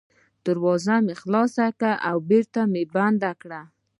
دروازه مې خلاصه کړه او بېرته مې بنده کړه.